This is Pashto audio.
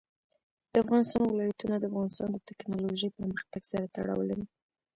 د افغانستان ولايتونه د افغانستان د تکنالوژۍ پرمختګ سره تړاو لري.